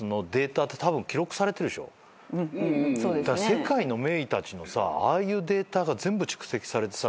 世界の名医たちのさああいうデータが全部蓄積されてさ